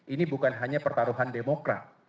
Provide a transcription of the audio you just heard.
ini bukan hanya pertaruhan demokrat